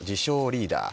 リーダー